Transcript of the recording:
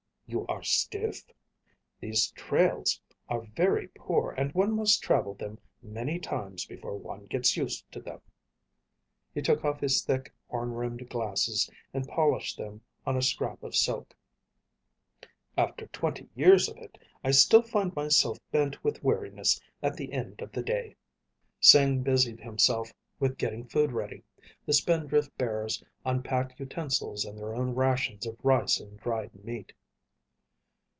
"You are stiff? These trails are very poor and one must travel them many times before one gets used to them." He took off his thick, horn rimmed glasses and polished them on a scrap of silk. "After twenty years of it, I still find myself bent with weariness at the end of the day." Sing busied himself with getting food ready. The Spindrift bearers unpacked utensils and their own rations of rice and dried meat.